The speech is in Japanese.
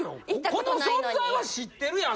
この存在は知ってるやん。